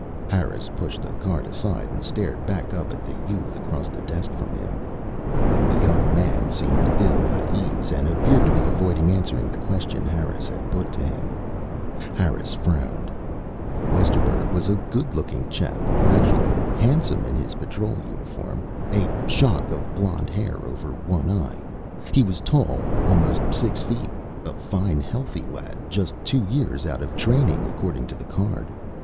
_ Harris pushed the card aside and stared back up at the youth across the desk from him. The young man seemed ill at ease and appeared to be avoiding answering the question Harris had put to him. Harris frowned. Westerburg was a good looking chap, actually handsome in his Patrol uniform, a shock of blond hair over one eye. He was tall, almost six feet, a fine healthy lad, just two years out of Training, according to the card.